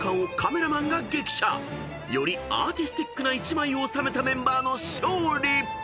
［よりアーティスティックな１枚を収めたメンバーの勝利！］